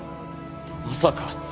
まさか。